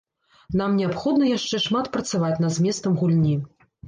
Нам неабходна яшчэ шмат працаваць над зместам гульні.